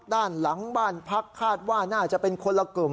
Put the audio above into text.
ด้านหลังบ้านพักคาดว่าน่าจะเป็นคนละกลุ่ม